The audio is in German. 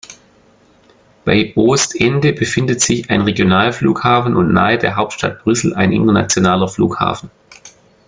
Bei Oostende befindet sich ein Regionalflughafen und nahe der Hauptstadt Brüssel ein internationaler Flughafen.